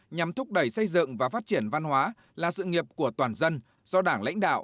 nhằm thúc đẩy xây dựng và phát triển văn hóa là sự nghiệp của toàn dân do đảng lãnh đạo